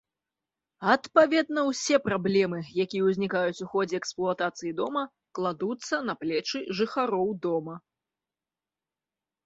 Адпаведна ўсе праблемы, якія ўзнікаюць у ходзе эксплуатацыі дома, кладуцца на плечы жыхароў дома.